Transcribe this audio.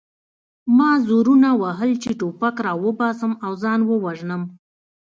ما زورونه وهل چې ټوپک راوباسم او ځان ووژنم